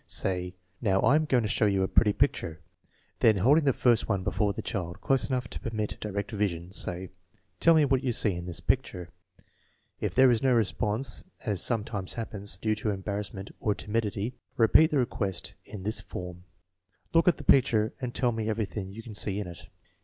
Say, " Now I am going to show you a pretty picture" Then, holding the first one before the child, close enough to permit distinct vision, say: " Tell me what you see in this picture." If there is no response, as sometimes happens, due to embarrass ment or timidity, repeat the request in this form: "Look at the picture and tell me everything you can see in it."